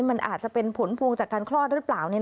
มันอาจจะเป็นผลพวงจากการคลอดหรือเปล่า